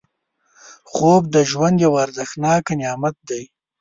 خوب د ژوند یو ارزښتناک نعمت دی